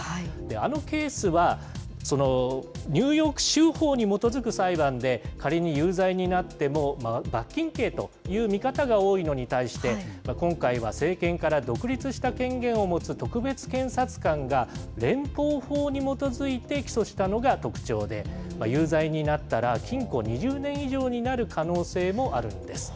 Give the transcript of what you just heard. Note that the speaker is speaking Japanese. あのケースは、ニューヨーク州法に基づく裁判で、仮に有罪になっても、罰金刑という見方が多いのに対して、今回は政権から独立した権限を持つ特別検察官が、連邦法に基づいて起訴したのが特徴で、有罪になったら、禁錮２０年以上になる可能性もあるんです。